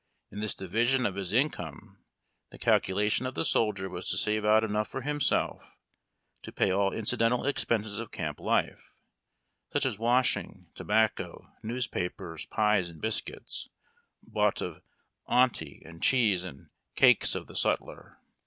In this division of his income the calcu lation of the soldier was to save out enough for himself to pay all incidental expenses of camp life, sucli as washing, tobacco, newspapers, pies and biscuits, boiiglit of "Aunty," and cheese and cakes of the sutler.